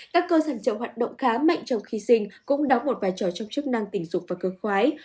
các cơ sở hoạt động khá mạnh trong khi sinh cũng đóng một vai trò trong chức năng tình dục và cơ khoái